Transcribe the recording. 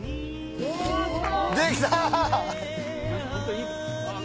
できた！